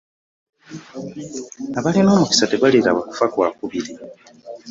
Abalina omukisa tebaliraba ku kufa kwakubiri.